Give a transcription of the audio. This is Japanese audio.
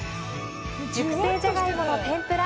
「熟成じゃがいもの天ぷら」